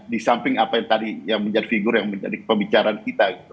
di samping apa yang tadi yang menjadi figur yang menjadi pembicaraan kita gitu